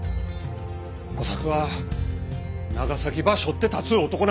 吾作は長崎ばしょって立つ男なんです！